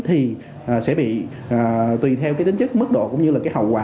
thì sẽ bị tùy theo tính chất mức độ cũng như là hậu quả